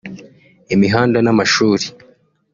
imihanda n’amashuri